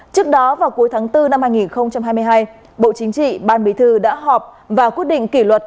trước đó vào cuối tháng bốn năm hai nghìn hai mươi hai bộ chính trị ban bí thư đã họp và quyết định kỷ luật